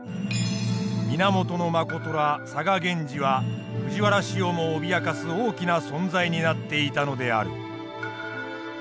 源信ら嵯峨源氏は藤原氏をも脅かす大きな存在になっていたのである。